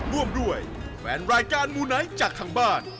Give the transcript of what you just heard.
ร่วมด้วยแฟนรายการมูไนท์จากทางบ้าน